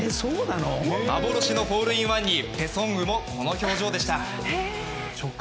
幻のホールインワンにペ・ソンウもこの表情でした。